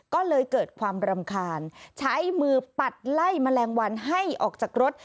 ก็เลยเกิดความรำคาญใช้มือปัดไล่แมลงวันให้ออกจากรถ